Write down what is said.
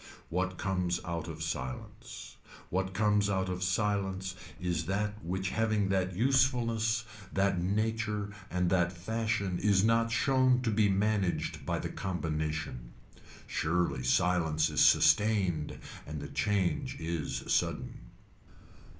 What comes out of silence. What comes out of silence is that which having that usefulness, that nature, and that fashion is not shown to be managed by the combination. Surely silence is sustained and the change is sudden.